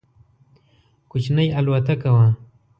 کوچنۍ الوتکه وه.